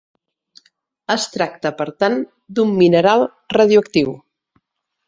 Es tracta per tant d'un mineral radioactiu.